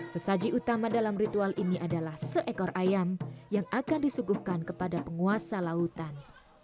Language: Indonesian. sesaji utama dalam ritual ini adalah seekor ayam yang akan disuguhkan kepada penguasa lautan